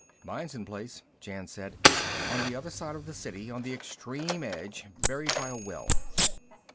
"Mine's in place," Jan said. "On the other side of the City, on the extreme edge. Buried by a well."